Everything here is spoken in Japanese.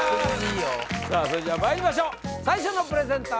さあそれじゃあまいりましょう最初のプレゼンター